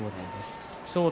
正代